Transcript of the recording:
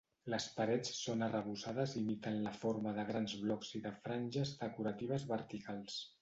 Les parets són arrebossades imitant la forma de grans blocs i de franges decoratives verticals.